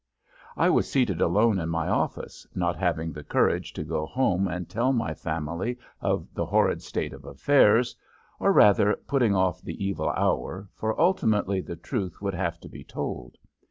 I was seated alone in my office, not having the courage to go home and tell my family of the horrid state of affairs, or, rather, putting off the evil hour, for ultimately the truth would have to be told.